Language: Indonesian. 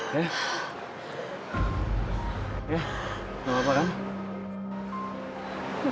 yah gapapa kan